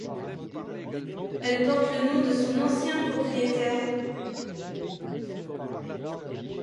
Elle porte le nom de son ancien propriétaire.